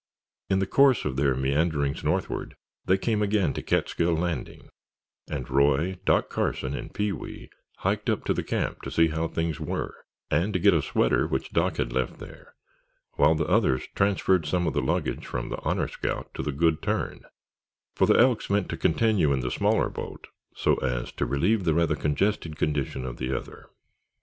In the course of their meanderings northward, they came again to Catskill Landing and Roy, Doc Carson and Pee wee hiked up to the camp to see how things were and to get a sweater which Doc had left there, while the others transferred some of the luggage from the Honor Scout to the Good Turn, for the Elks meant to continue in the smaller boat so as to relieve the rather congested condition of the other.